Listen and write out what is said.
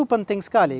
itu penting sekali